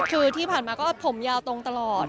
คือที่ผ่านมาก็ผมยาวตรงตลอด